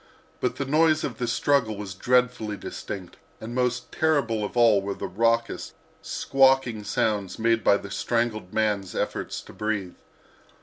But the noise of the struggle was dreadfully distinct, and most terrible of all were the raucous, squawking sounds made by the strangled man's efforts to breathe.